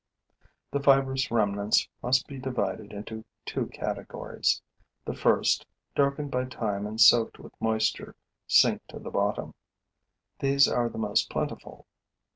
The fibrous remnants must be divided into two categories. The first, darkened by time and soaked with moisture, sink to the bottom. These are the most plentiful.